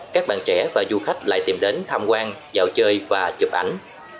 các bạn trẻ và du khách lại tìm đến tham quan dạo chơi và chụp ảnh